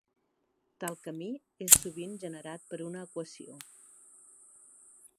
Tal camí és sovint generat per una equació.